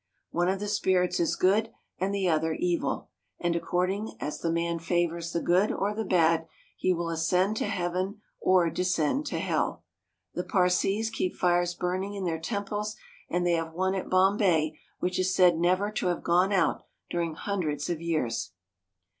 One of the spirits is good and the other evil, and according as the man favors the good or the bad, he will ascend to heaven or descend to hell. The Parsees keep fires burning in their temples, and they have one at Bombay which is said never to have gone out dur ing hundreds of years.